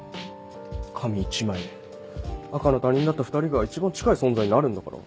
紙１枚で赤の他人だった２人が一番近い存在になるんだから。